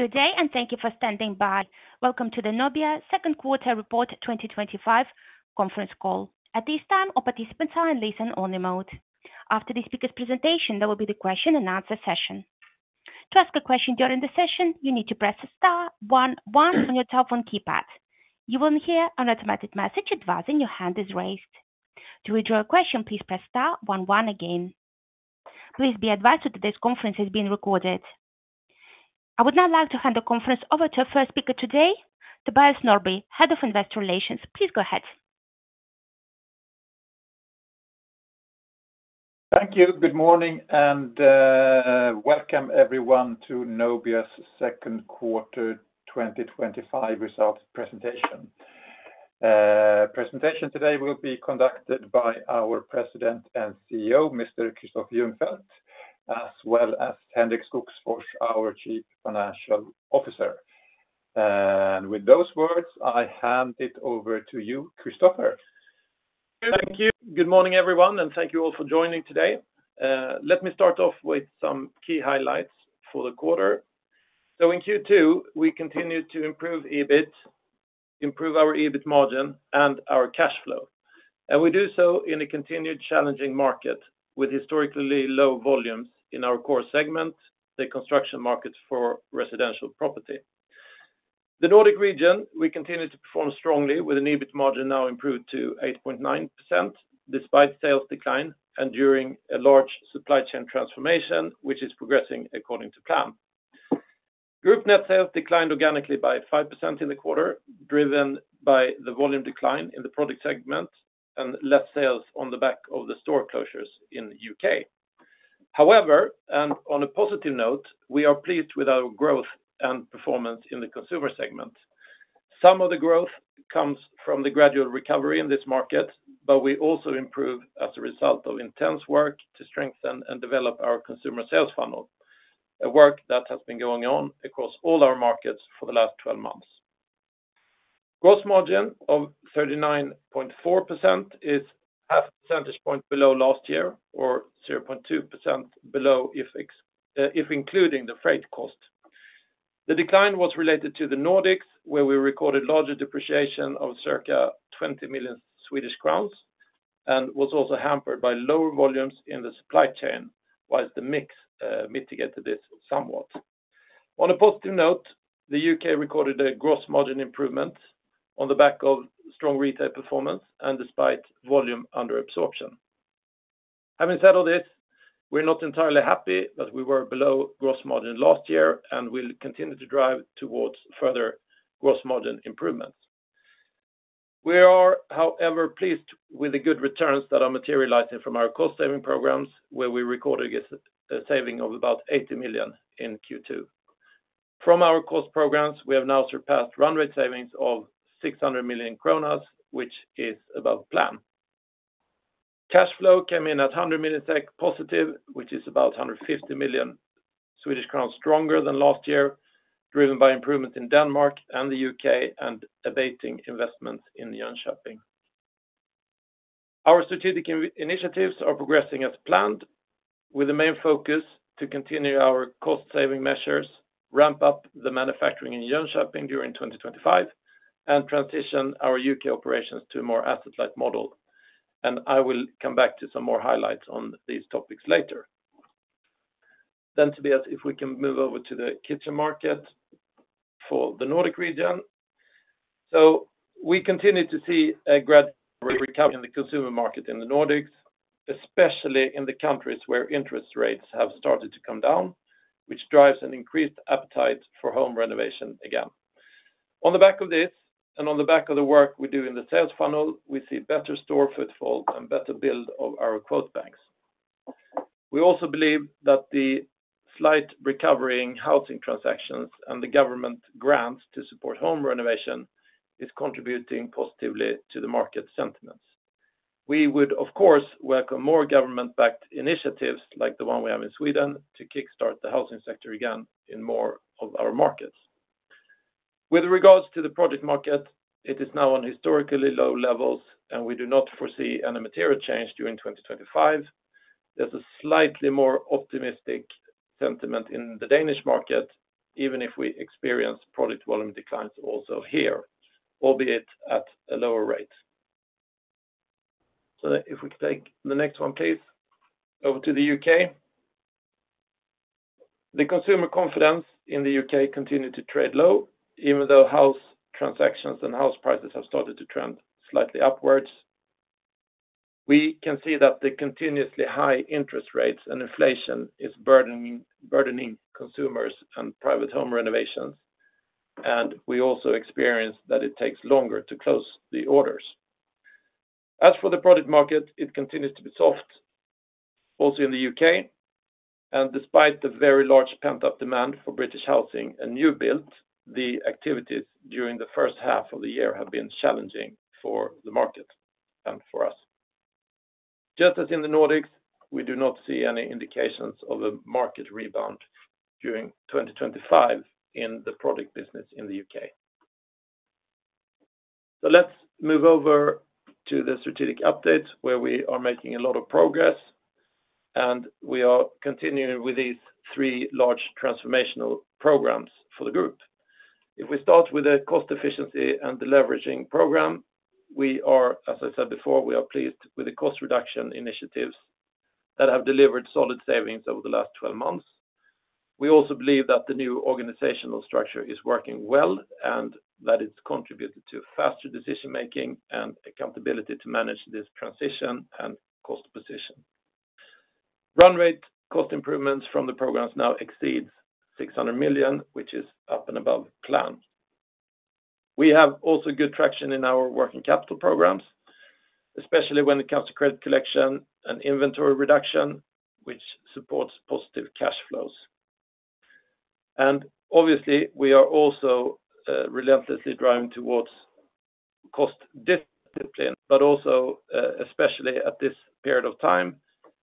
Good day and thank you for standing by. Welcome to the Nobia second quarter report 2025 conference call. At this time, all participants are in listen-only mode. After the speaker's presentation, there will be the question and answer session. To ask a question during the session, you need to press the star one one on your telephone keypad. You will hear an automatic message advising your hand is raised. To withdraw a question, please press star one one again. Please be advised that today's conference is being recorded. I would now like to hand the conference over to our first speaker today, Tobias Norrby, Head of Investor Relations. Please go ahead. Thank you. Good morning and welcome everyone to Nobia's second quarter 2025 results presentation. The presentation today will be conducted by our President and CEO, Kristoffer Ljungfelt, as well as Henrik Skogsfors, our Chief Financial Officer. With those words, I hand it over to you, Kristoffer. Thank you. Good morning everyone, and thank you all for joining today. Let me start off with some key highlights for the quarter. In Q2, we continue to improve EBIT, improve our EBIT margin, and our cash flow. We do so in a continued challenging market with historically low volumes in our core segment, the construction market for residential property. In the Nordic region, we continue to perform strongly with an EBIT margin now improved to 8.9% despite sales decline and during a large supply chain transformation, which is progressing according to plan. Group net sales declined organically by 5% in the quarter, driven by the volume decline in the product segment and less sales on the back of the store closures in the U.K. However, on a positive note, we are pleased with our growth and performance in the consumer segment. Some of the growth comes from the gradual recovery in this market, but we also improve as a result of intense work to strengthen and develop our consumer sales funnel, a work that has been going on across all our markets for the last 12 months. Gross margin of 39.4% is a half percentage point below last year, or 0.2% below if including the freight cost. The decline was related to the Nordics, where we recorded larger depreciation of circa 20 million Swedish crowns and was also hampered by lower volumes in the supply chain, while the mix mitigated this somewhat. On a positive note, the U.K. recorded a gross margin improvement on the back of strong retail performance and despite volume under absorption. Having said all this, we're not entirely happy that we were below gross margin last year and will continue to drive towards further gross margin improvement. We are, however, pleased with the good returns that are materializing from our cost-saving programs, where we recorded a saving of about 80 million in Q2. From our cost programs, we have now surpassed run-rate savings of 600 million kronor, which is above plan. Cash flow came in at 100 million positive, which is about 150 million Swedish crowns stronger than last year, driven by improvements in Denmark and the U.K. and abating investments in Jönköping. Our strategic initiatives are progressing as planned, with the main focus to continue our cost-saving measures, ramp up the manufacturing in Jönköping during 2025, and transition our U.K. operations to a more asset-light model. I will come back to some more highlights on these topics later. Tobias, if we can move over to the kitchen market for the Nordic region. We continue to see a gradual recovery in the consumer market in the Nordics, especially in the countries where interest rates have started to come down, which drives an increased appetite for home renovation again. On the back of this, and on the back of the work we do in the sales funnel, we see better store footfall and better build of our quote banks. We also believe that the slight recovery in housing transactions and the government grants to support home renovation are contributing positively to the market sentiment. We would, of course, welcome more government-backed initiatives like the one we have in Sweden to kickstart the housing sector again in more of our markets. With regards to the project market, it is now on historically low levels and we do not foresee any material change during 2025. There is a slightly more optimistic sentiment in the Danish market, even if we experience product volume declines also here, albeit at a lower rate. If we could take the next one, please, over to the U.K. The consumer confidence in the U.K. continues to trade low, even though house transactions and house prices have started to trend slightly upwards. We can see that the continuously high interest rates and inflation are burdening consumers and private home renovations, and we also experience that it takes longer to close the orders. As for the product market, it continues to be soft, also in the U.K., and despite the very large pent-up demand for British housing and new builds, the activities during the first half of the year have been challenging for the market and for us. Just as in the Nordics, we do not see any indications of a market rebound during 2025 in the product business in the U.K. Let's move over to the strategic updates where we are making a lot of progress and we are continuing with these three large transformational programs for the group. If we start with the cost efficiency and the leveraging program, as I said before, we are pleased with the cost reduction initiatives that have delivered solid savings over the last 12 months. We also believe that the new organizational structure is working well and that it's contributed to faster decision-making and accountability to manage this transition and cost position. Run rate cost improvements from the programs now exceed 600 million, which is up and above plan. We have also good traction in our working capital programs, especially when it comes to credit collection and inventory reduction, which supports positive cash flows. Obviously, we are also relentlessly driving towards cost discipline, but also, especially at this period of time,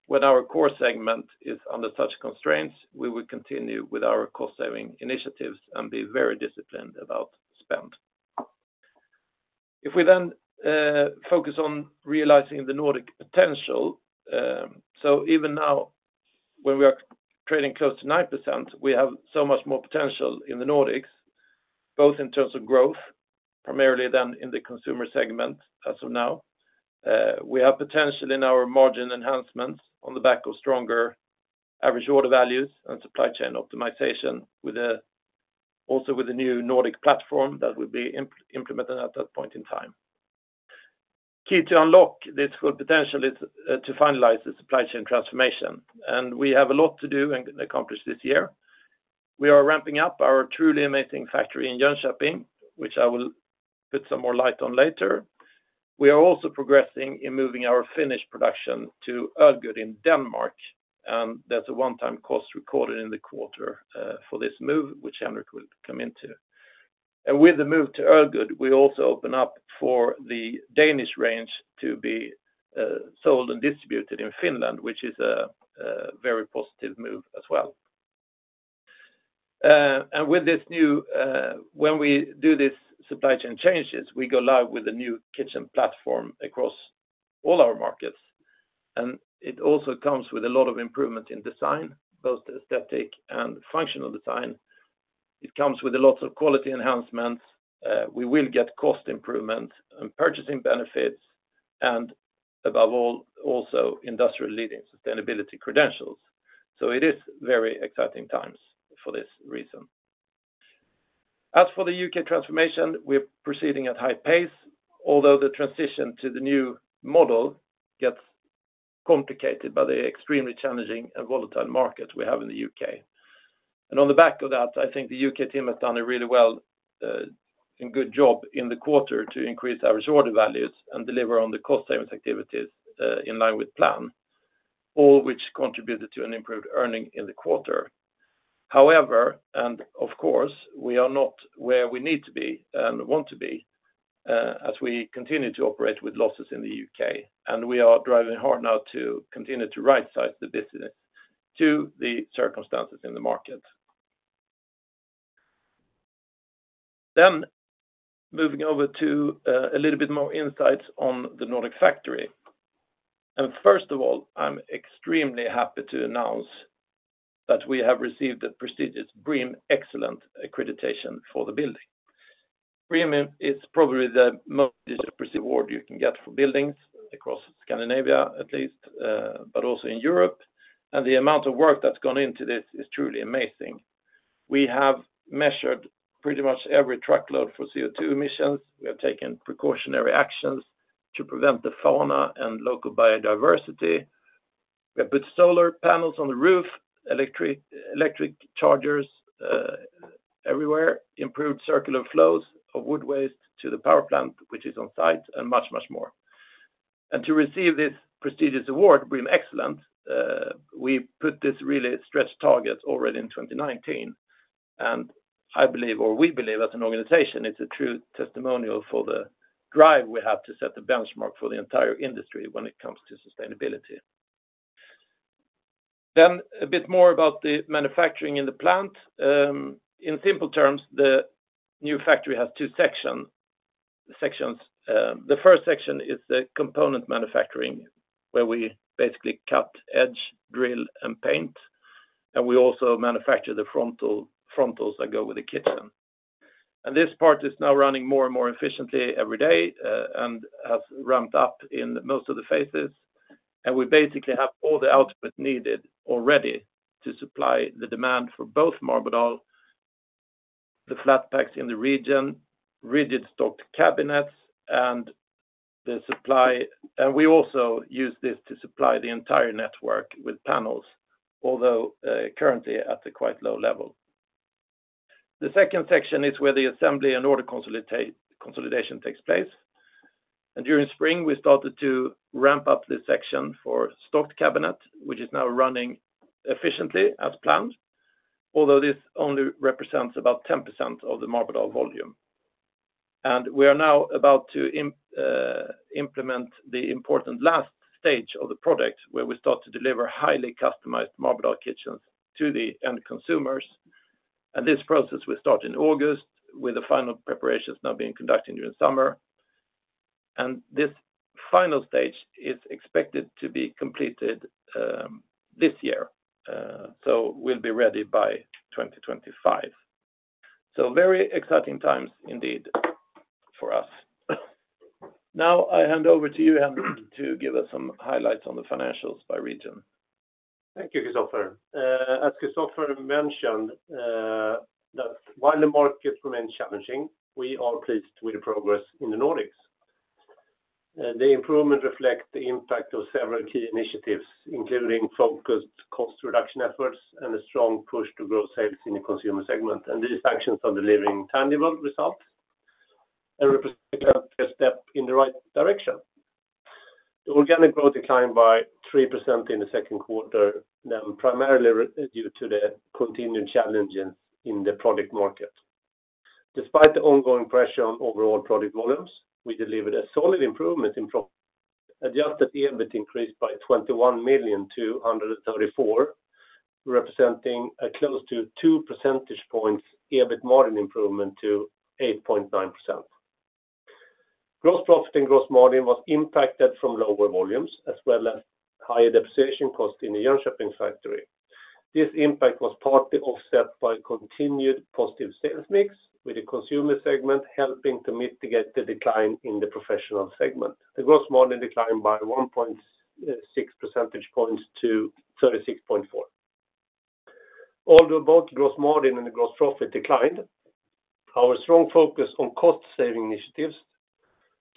when our core segment is under such constraints, we will continue with our cost-saving initiatives and be very disciplined about spend. If we then focus on realizing the Nordic potential, so even now when we are trading close to 9%, we have so much more potential in the Nordics, both in terms of growth, primarily then in the consumer segment as of now. We have potential in our margin enhancements on the back of stronger average order values and supply chain optimization, also with the new Nordic platform that will be implemented at that point in time. Key to unlock this full potential is to finalize the supply chain transformation, and we have a lot to do and accomplish this year. We are ramping up our truly amazing factory in Jönköping, which I will put some more light on later. We are also progressing in moving our Finnish production to Ølgod in Denmark, and there's a one-time cost recorded in the quarter for this move, which Henrik will come into. With the move to Ølgod, we also open up for the Danish range to be sold and distributed in Finland, which is a very positive move as well. With this new, when we do these supply chain changes, we go live with a new kitchen platform across all our markets. It also comes with a lot of improvements in design, both aesthetic and functional design. It comes with lots of quality enhancements. We will get cost improvements and purchasing benefits, and above all, also industrial leading sustainability credentials. It is very exciting times for this reason. As for the U.K. transformation, we're proceeding at high pace, although the transition to the new model gets complicated by the extremely challenging and volatile market we have in the U.K. On the back of that, I think the U.K. team has done a really well and good job in the quarter to increase our shorter values and deliver on the cost-saving activities in line with plan, all which contributed to an improved earning in the quarter. However, and of course, we are not where we need to be and want to be as we continue to operate with losses in the U.K., and we are driving hard now to continue to right-size the business to the circumstances in the market. Moving over to a little bit more insights on the Nordic factory. First of all, I'm extremely happy to announce that we have received the prestigious BREEAM Excellence accreditation for the building. BREEAM is probably the most appreciated award you can get for buildings across Scandinavia, at least, but also in Europe. The amount of work that's gone into this is truly amazing. We have measured pretty much every truckload for CO_2 emissions. We have taken precautionary actions to prevent the fauna and local biodiversity. We have put solar panels on the roof, electric chargers everywhere, improved circular flows of wood waste to the power plant, which is on site, and much, much more. To receive this prestigious award, BREEAM Excellence, we put this really stretched target already in 2019. I believe, or we believe, as an organization, it's a true testimonial for the drive we have to set the benchmark for the entire industry when it comes to sustainability. A bit more about the manufacturing in the plant. In simple terms, the new factory has two sections. The first section is the component manufacturing, where we basically cut, edge, drill, and paint. We also manufacture the frontals that go with the kitchen. This part is now running more and more efficiently every day and has ramped up in most of the phases. We basically have all the output needed already to supply the demand for both Marbodal flat packs in the region, rigid stocked cabinets, and the supply. We also use this to supply the entire network with panels, although currently at a quite low level. The second section is where the assembly and order consolidation takes place. During spring, we started to ramp up this section for stocked cabinets, which is now running efficiently as planned, although this only represents about 10% of the Marbodal volume. We are now about to implement the important last stage of the product, where we start to deliver highly customized Marbodal kitchens to the end consumers. This process will start in August, with the final preparations now being conducted during summer. This final stage is expected to be completed this year. We'll be ready by 2025. Very exciting times indeed for us. Now I hand over to you, Henrik, to give us some highlights on the financials by region. Thank you, Kristoffer. As Kristoffer mentioned, while the market remains challenging, we are pleased with the progress in the Nordics. The improvements reflect the impact of several key initiatives, including focused cost reduction efforts and a strong push to grow sales in the consumer segment. These actions are delivering tangible results and represent a step in the right direction. The organic growth declined by 3% in the second quarter, primarily due to the continued challenges in the product market. Despite the ongoing pressure on overall product volumes, we delivered a solid improvement in profits. Adjusted EBIT increased by 21,000,234, representing a close to 2 percentage points EBIT margin improvement to 8.9%. Gross profit and gross margin were impacted from lower volumes, as well as higher depreciation costs in the Jönköping factory. This impact was partly offset by a continued positive sales mix, with the consumer segment helping to mitigate the decline in the professional segment. The gross margin declined by 1.6 percentage points to 36.4%. Although both gross margin and the gross profit declined, our strong focus on cost-saving initiatives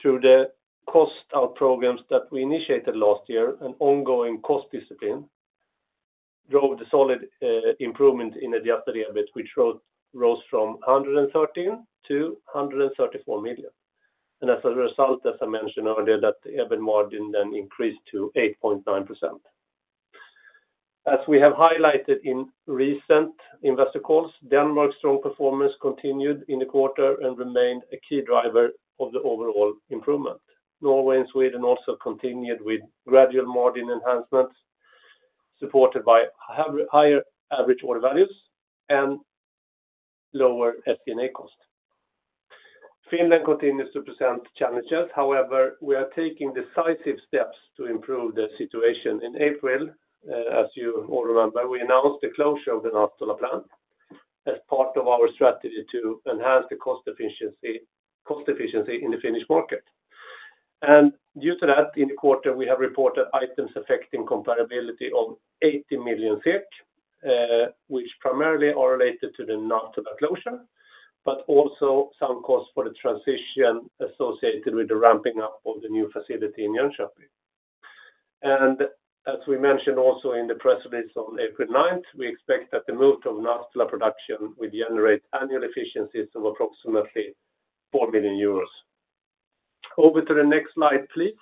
through the cost-out programs that we initiated last year and ongoing cost discipline drove the solid improvement in adjusted EBIT, which rose from 113 million-134 million. As a result, as I mentioned earlier, the EBIT margin then increased to 8.9%. As we have highlighted in recent investor calls, Denmark's strong performance continued in the quarter and remained a key driver of the overall improvement. Norway and Sweden also continued with gradual margin enhancements, supported by higher average order values and lower FP&A cost. Finland continues to present challenges; however, we are taking decisive steps to improve the situation. In April, as you all remember, we announced the closure of the Naatola plant as part of our strategy to enhance the cost efficiency in the Finnish market. Due to that, in the quarter, we have reported items affecting comparability of 80 million SEK, which primarily are related to the Nastola closure, but also some costs for the transition associated with the ramping up of the new facility in Jönköping. As we mentioned also in the press release on April 9th, we expect that the move to Nastola production will generate annual efficiencies of approximately €4 million. Over to the next slide, please.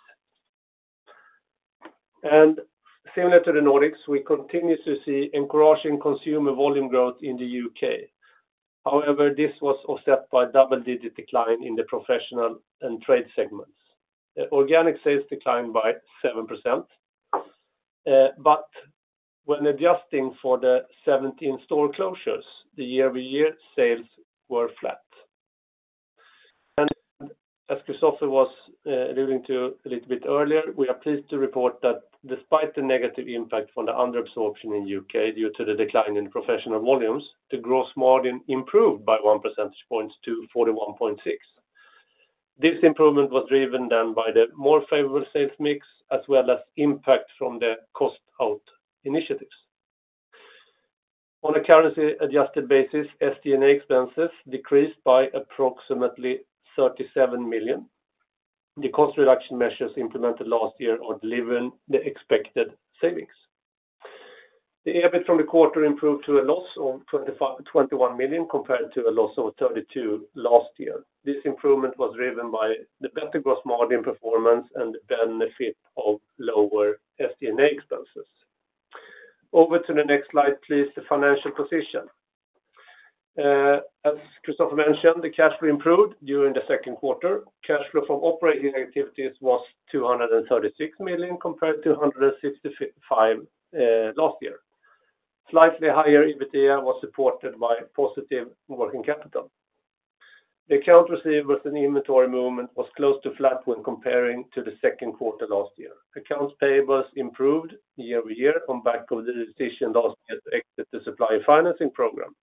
Similar to the Nordics, we continue to see encouraging consumer volume growth in the U.K. However, this was offset by a double-digit decline in the professional and trade segments. The organic sales declined by 7%. When adjusting for the 17 store closures, the year-over-year sales were flat. As Kristoffer was alluding to a little bit earlier, we are pleased to report that despite the negative impact from the underabsorption in the U.K. due to the decline in professional volumes, the gross margin improved by 1%-41.6%. This improvement was driven by the more favorable sales mix, as well as impact from the cost-out initiatives. On a currency-adjusted basis, SDNA expenses decreased by approximately 37 million. The cost reduction measures implemented last year are delivering the expected savings. The EBIT from the quarter improved to a loss of 21 million compared to a loss of 32 million last year. This improvement was driven by the better gross margin performance and the benefit of lower SDNA expenses. Over to the next slide, please, the financial position. As Kristoffer mentioned, the cash flow improved during the second quarter. Cash flow from operating activities was 236 million compared to 165 million last year. Slightly higher EBITDA was supported by positive working capital. The accounts receivable and inventory movement was close to flat when comparing to the second quarter last year. Accounts payables improved year over year on the back of the decision last year to exit the supply financing program.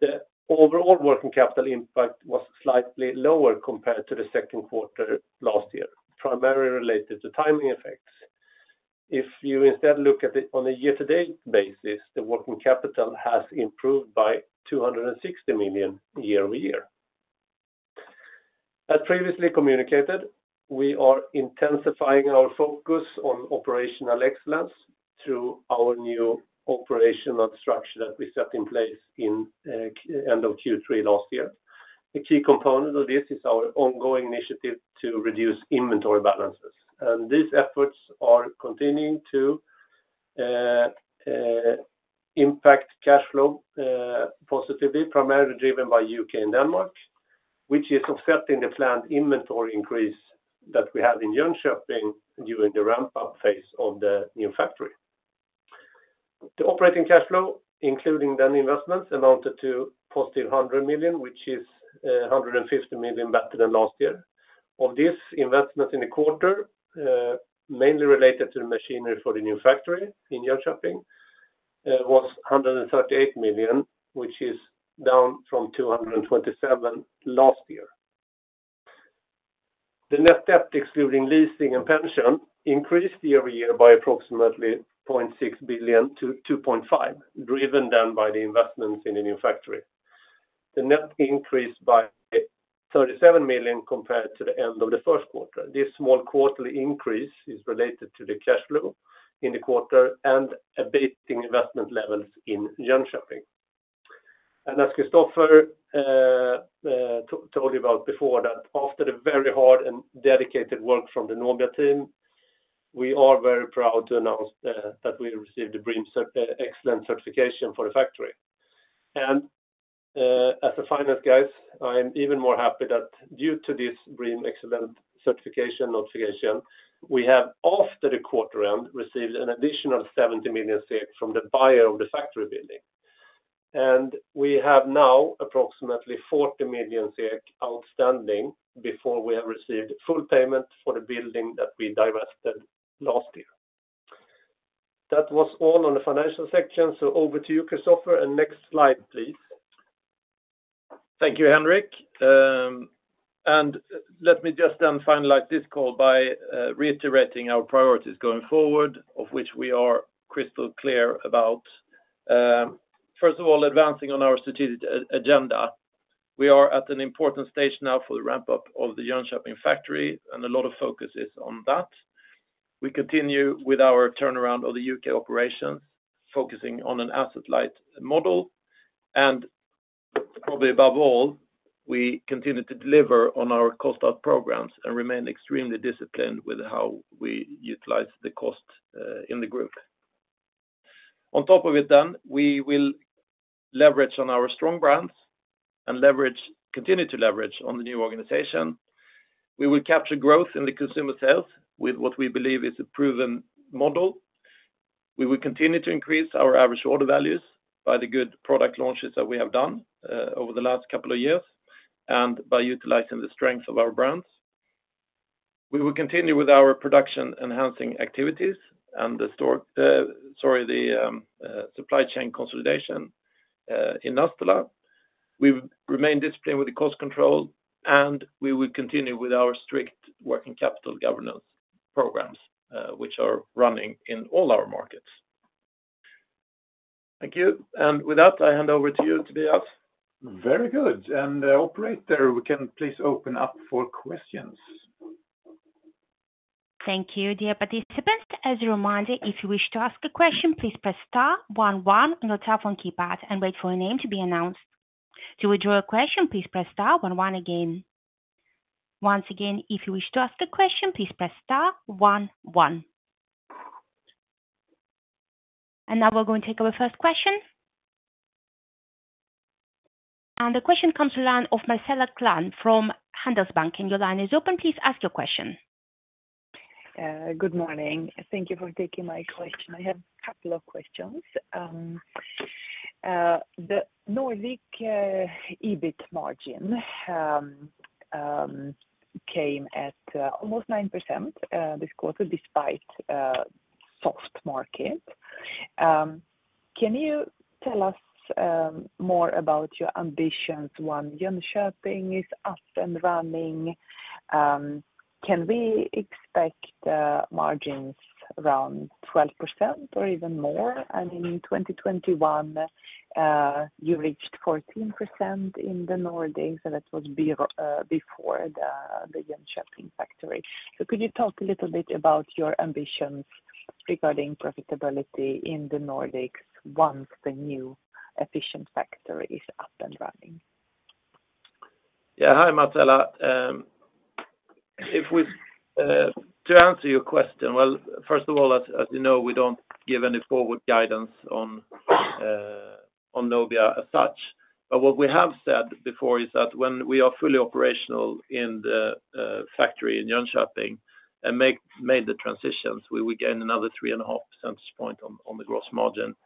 The overall working capital impact was slightly lower compared to the second quarter last year, primarily related to timing effects. If you instead look at it on a year-to-date basis, the working capital has improved by 260 million year-over-year. As previously communicated, we are intensifying our focus on operational excellence through our new operational structure that we set in place in the end of Q3 last year. A key component of this is our ongoing initiative to reduce inventory balances. These efforts are continuing to impact cash flow positively, primarily driven by U.K. and Denmark, which is offset in the planned inventory increase that we have in Jönköping during the ramp-up phase of the new factory. The operating cash flow, including the investments, amounted to positive 100 million, which is 150 million better than last year. Of this, investment in the quarter, mainly related to the machinery for the new factory in Jönköping, was 138 million, which is down from 227 million last year. The net debt, excluding leasing and pension, increased year-over-year by approximately 0.6 billion-2.5 billion, driven then by the investments in the new factory. The net increased by 37 million compared to the end of the first quarter. This small quarterly increase is related to the cash flow in the quarter and abating investment levels in Jönköping. As Kristoffer told you about before, after the very hard and dedicated work from the Nobia team, we are very proud to announce that we received the BREEAM Excellence certification for the factory. As a finance guy, I am even more happy that due to this BREEAM Excellence certification notification, we have, after the quarter end, received an additional 70 million from the buyer of the factory building. We have now approximately 40 million SEK outstanding before we have received full payment for the building that we divested last year. That was all on the financial section. Over to you, Kristoffer, and next slide, please. Thank you, Henrik. Let me just then finalize this call by reiterating our priorities going forward, of which we are crystal clear about. First of all, advancing on our strategic agenda. We are at an important stage now for the ramp-up of the Jönköping factory, and a lot of focus is on that. We continue with our turnaround of the U.K. operation, focusing on an asset-light model. Probably above all, we continue to deliver on our cost-out programs and remain extremely disciplined with how we utilize the cost in the group. On top of it, we will leverage on our strong brands and continue to leverage on the new organization. We will capture growth in the consumer sales with what we believe is a proven model. We will continue to increase our average order values by the good product launches that we have done over the last couple of years and by utilizing the strengths of our brands. We will continue with our production enhancing activities and the supply chain consolidation in Nastola. We remain disciplined with the cost control, and we will continue with our strict working capital governance programs, which are running in all our markets. Thank you. With that, I hand over to you, Tobias. Very good. Operator, we can please open up for questions. Thank you, dear participants. As a reminder, if you wish to ask a question, please press star one one on your telephone keypad and wait for a name to be announced. To withdraw a question, please press star one one again. If you wish to ask a question, please press star one one. We are going to take our first question. The question comes to line of Marcela Klang from Handelsbanken and your line is open please ask your question. Good morning. Thank you for taking my question. I have a couple of questions. The Nordic EBIT margin came at almost 9% this quarter despite a soft market. Can you tell us more about your ambitions when Jönköping is up and running? Can we expect margins around 12% or even more? In 2021, you reached 14% in the Nordics, and that was before the Jönköping factory. Could you talk a little bit about your ambitions regarding profitability in the Nordics once the new efficient factory is up and running? Hi, Marcela. To answer your question, as you know, we don't give any forward guidance on Nobia as such. What we have said before is that when we are fully operational in the factory in Jönköping and make the transitions, we will gain another 3.5% on the gross margin.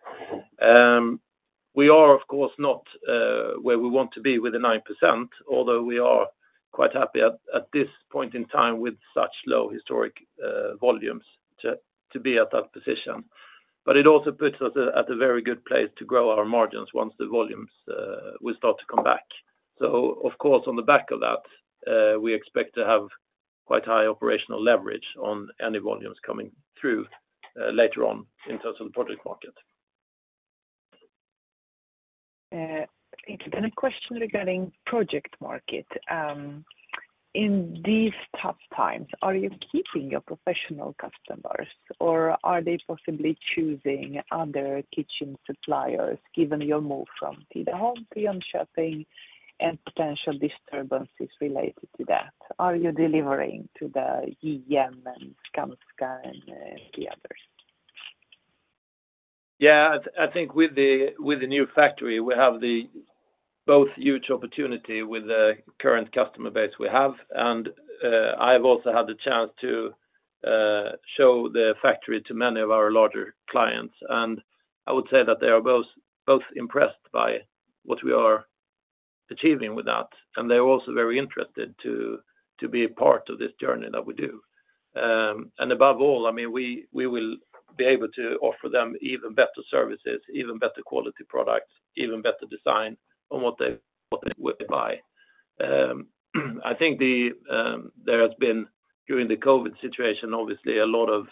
We are, of course, not where we want to be with the 9%, although we are quite happy at this point in time with such low historic volumes to be at that position. It also puts us at a very good place to grow our margins once the volumes will start to come back. Of course, on the back of that, we expect to have quite high operational leverage on any volumes coming through later on in terms of the product market. An independent question regarding the project market. In these tough times, are you keeping your professional customers, or are they possibly choosing other kitchen suppliers, given your move from Tidaholm to Jönköping and potential disturbances related to that? Are you delivering to the JM and Skanska and the others? I think with the new factory, we have both huge opportunity with the current customer base we have. I've also had the chance to show the factory to many of our larger clients. I would say that they are both impressed by what we are achieving with that. They're also very interested to be a part of this journey that we do. Above all, I mean, we will be able to offer them even better services, even better quality products, even better design on what they buy. I think there has been, during the COVID situation, obviously, a lot of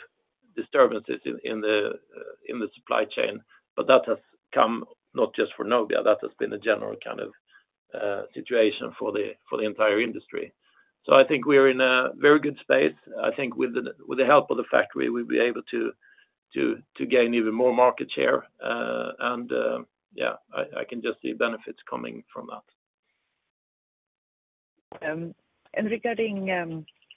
disturbances in the supply chain. That has come not just for Nobia. That has been a general kind of situation for the entire industry. I think we're in a very good space. I think with the help of the factory, we'll be able to gain even more market share. I can just see benefits coming from that. Regarding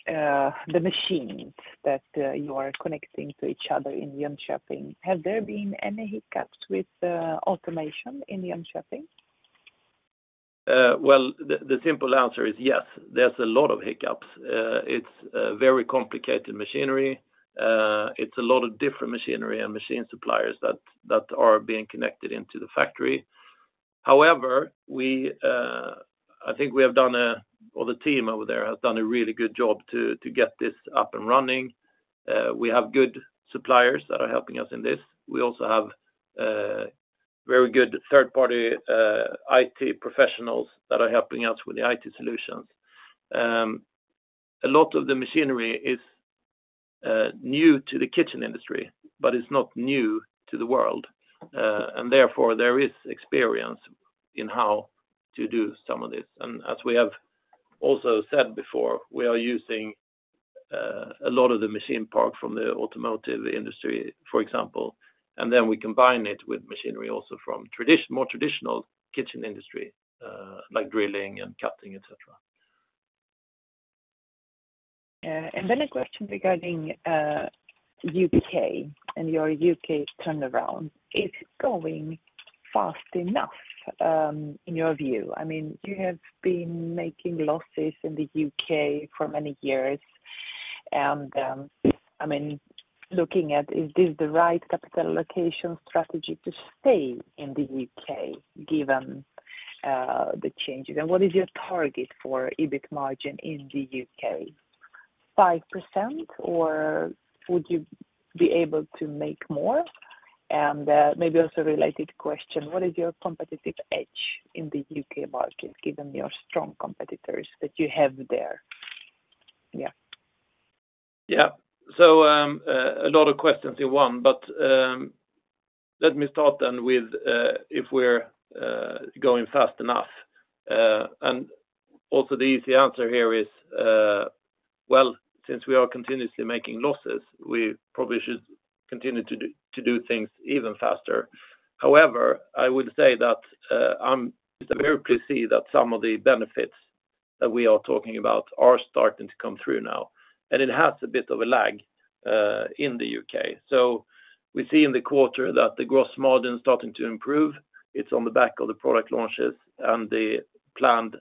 the machines that you are connecting to each other in Jönköping, have there been any hiccups with automation in Jönköping? There are a lot of hiccups. It's a very complicated machinery. It's a lot of different machinery and machine suppliers that are being connected into the factory. However, I think we have done a, or the team over there has done a really good job to get this up and running. We have good suppliers that are helping us in this. We also have very good third-party IT professionals that are helping us with the IT solutions. A lot of the machinery is new to the kitchen industry, but it's not new to the world. Therefore, there is experience in how to do some of this. As we have also said before, we are using a lot of the machine part from the automotive industry, for example, and we combine it with machinery also from more traditional kitchen industry, like drilling and cutting, etc. A question regarding the U.K. and your U.K. turnaround. Is it going fast enough in your view? You have been making losses in the U.K. for many years. Looking at it, is this the right capital allocation strategy to stay in the U.K. given the changes? What is your target for EBIT margin in the U.K.? 5%, or would you be able to make more? Maybe also a related question, what is your competitive edge in the U.K. market given your strong competitors that you have there? Yeah. Yeah. A lot of questions in one, but let me start then with if we're going fast enough. The easy answer here is, since we are continuously making losses, we probably should continue to do things even faster. However, I would say that I'm very pleased to see that some of the benefits that we are talking about are starting to come through now. It has a bit of a lag in the U.K. We see in the quarter that the gross margin is starting to improve. It's on the back of the product launches and the planned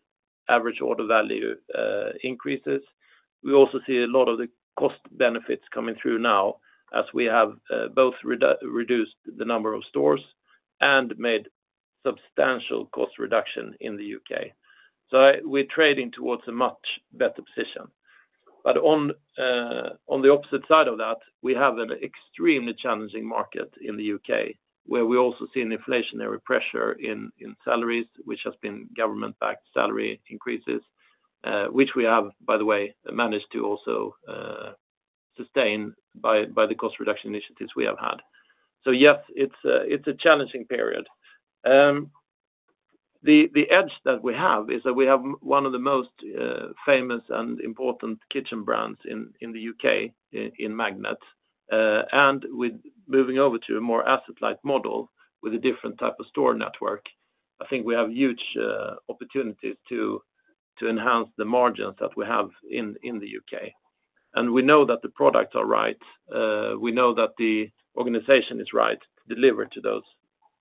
average order value increases. We also see a lot of the cost benefits coming through now as we have both reduced the number of stores and made substantial cost reduction in the U.K. We're trading towards a much better position. On the opposite side of that, we have an extremely challenging market in the U.K., where we also see an inflationary pressure in salaries, which has been government-backed salary increases, which we have, by the way, managed to also sustain by the cost reduction initiatives we have had. Yes, it's a challenging period. The edge that we have is that we have one of the most famous and important kitchen brands in the U.K., in Magnet. With moving over to a more asset-light model with a different type of store network, I think we have a huge opportunity to enhance the margins that we have in the U.K. We know that the products are right. We know that the organization is right to deliver to those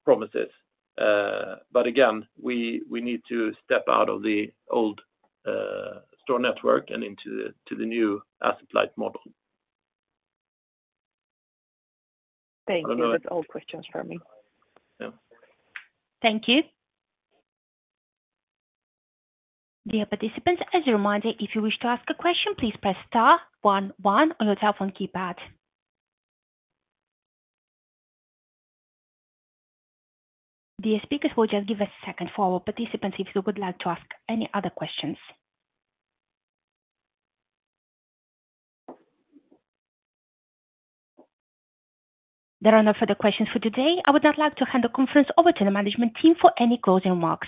promises. Again, we need to step out of the old store network and into the new asset-light model. Thank you. That's all questions for me. Yeah. Thank you. Dear participants, as a reminder, if you wish to ask a question, please press star 11 on your telephone keypad. Dear speakers, we'll just give us a second for our participants if you would like to ask any other questions. There are no further questions for today. I would now like to hand the conference over to the management team for any closing remarks.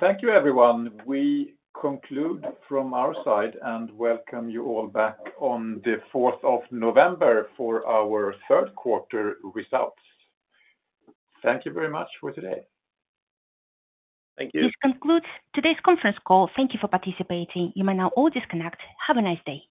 Thank you, everyone. We conclude from our side and welcome you all back on the 4th of November for our third quarter results. Thank you very much for today. Thank you. This concludes today's conference call. Thank you for participating. You may now all disconnect. Have a nice day.